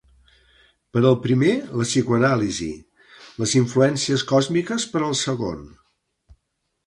Per al primer la psicoanàlisi, les influències còsmiques per al segon.